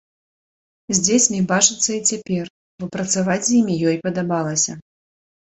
З дзецьмі бачыцца і цяпер, бо працаваць з імі ёй падабалася.